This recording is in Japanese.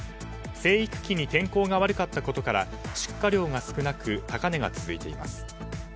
生育期に天候が悪かったことから出荷量が少なく高値が続いています。